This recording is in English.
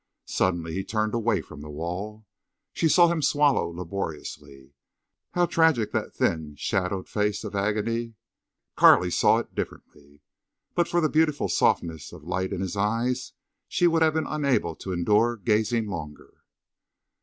Suddenly he turned away from the wall. She saw him swallow laboriously. How tragic that thin, shadowed face of agony! Carley saw it differently. But for the beautiful softness of light in his eyes, she would have been unable to endure gazing longer.